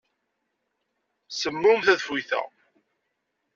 Semmum tadeffuyt-a.